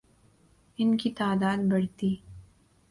ان کی تعداد بڑھتی